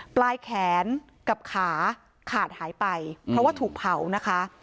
ปลายแขนกับขาขาดหายไปเพราะว่าถูกเผานะคะ